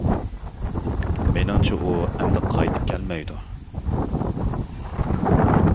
مېنىڭچە ئۇ ئەمدى قايتىپ كەلمەيدۇ.